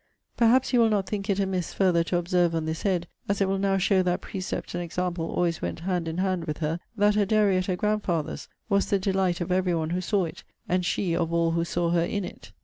Perhaps you will not think it amiss further to observe on this head, as it will now show that precept and example always went hand and hand with her, that her dairy at her grandfather's was the delight of every one who saw it; and she of all who saw her in it.